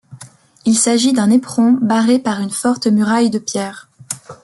Il s'agit d'un éperon barré par une forte muraille de pierre.